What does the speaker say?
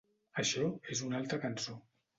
Això és una altra cançó.